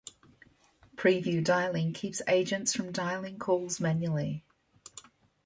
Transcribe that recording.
Preview dialing keeps agents from dialing calls manually.